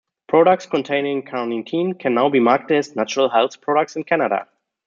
Products containing -carnitine can now be marketed as "natural health products" in Canada.